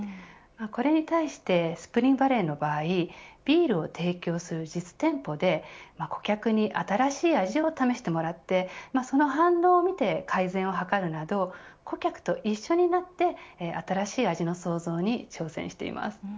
これに対してスプリングバレーの場合ビールを提供する実店舗で顧客に新しい味を試してもらってその反応を見て改善を図るなど顧客と一緒となって新しい味の創造に挑戦しています。